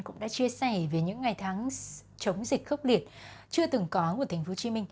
cũng đã chia sẻ về những ngày tháng chống dịch khốc liệt chưa từng có của tp hcm